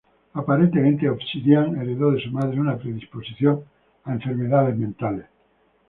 Aparentemente, Obsidian heredó de su madre una predisposición a enfermedades mentales.